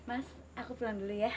mas aku pulang dulu ya